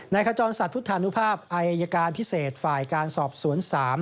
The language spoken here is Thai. ขจรสัตวพุทธานุภาพอายการพิเศษฝ่ายการสอบสวน๓